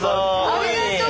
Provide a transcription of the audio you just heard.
ありがとう。